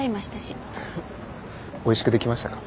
おいしくできましたか？